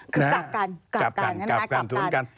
กลับกัน